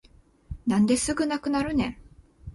なんですぐなくなるねん